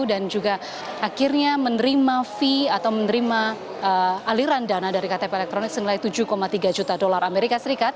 dan juga akhirnya menerima fee atau menerima aliran dana dari ktp elektronik senilai tujuh tiga juta dolar as